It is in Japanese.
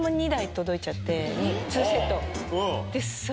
２セット。